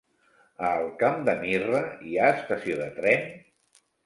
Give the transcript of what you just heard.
A el Camp de Mirra hi ha estació de tren?